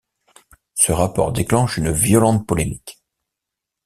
Ce rapport déclenche une violente polémique.